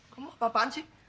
kamu apa apaan sih